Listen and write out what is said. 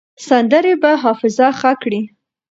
سندرې به حافظه ښه کړي.